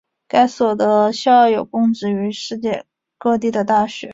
该所的校友供职于世界各地的大学。